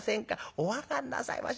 お上がんなさいまし。